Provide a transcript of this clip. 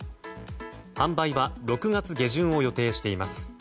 販売は６月下旬を予定しています。